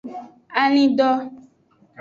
Alindo.